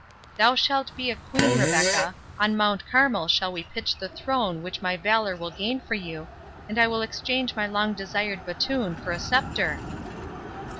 Thou shalt be a queen, Rebecca—on Mount Carmel shall we pitch the throne which my valour will gain for you, and I will exchange my long desired batoon for a sceptre!"